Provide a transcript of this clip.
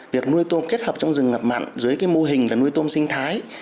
việc nuôi tôm kết hợp trong rừng ngập mặn dưới cái mô hình là nuôi tôm sinh thái